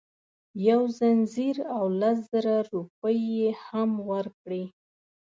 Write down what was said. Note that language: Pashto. یو ځنځیر او لس زره روپۍ یې هم ورکړې.